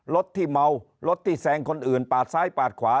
รถที่เมารถที่แซงคนอื่นปาดซ้ายปาดขวา